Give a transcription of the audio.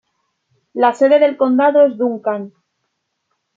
La sede del condado es Duncan.